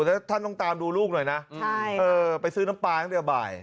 แล้วท่านต้องตามดูลูกหน่อยนะไปซื้อน้ำปลาตั้งแต่บ่าย